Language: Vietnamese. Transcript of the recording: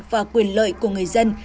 và quyền lợi của người dân